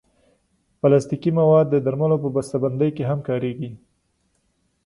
پلاستيکي مواد د درملو په بستهبندۍ کې هم کارېږي.